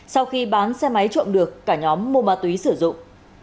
sau khi bán xe máy trộm được cả nhóm mua ma túy sử dụng